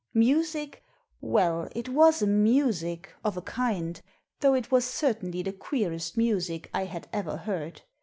Music ? Well, it was a music — of a kind, though it was certainly the queerest music I had ever heard.